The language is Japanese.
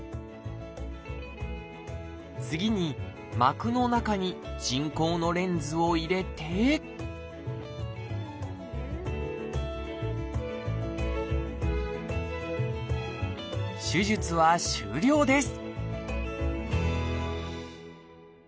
次に膜の中に人工のレンズを入れて手術は終了です